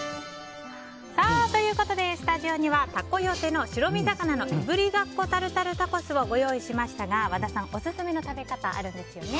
ということでスタジオにはＴＡＫＯＹＯＴＥの、白身魚のいぶりがっこタルタルタコスをご用意しましたが和田さん、オススメの食べ方があるんですよね。